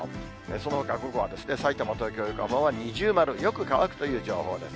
そのほか午後は、さいたま、東京、横浜は二重丸、よく乾くという情報です。